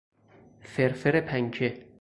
فرفر پنکه